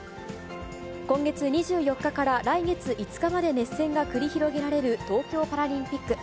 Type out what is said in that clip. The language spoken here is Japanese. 今月２４日から来月５日まで熱戦が繰り広げられる東京パラリンピック。